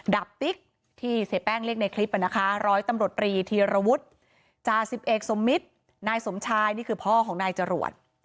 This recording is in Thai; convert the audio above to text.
ดาบติ๊กที่เสียแป้งเรียกในคลิปนะคะร้อยตำรวจรีธีรวุฒิจาสิบเอกสมมิตรนายสมชายนี่คือพ่อของนายจรวด